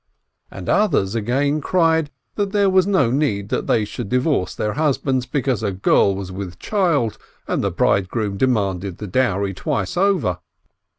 And others again cried that there was no need that they should divorce their husbands because a girl was with child, and the bridegroom demanded the dowry twice over.